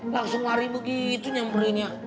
langsung lari begitu nyamperinnya